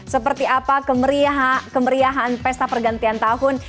seperti apa kemeriahan pesta pergantian tahun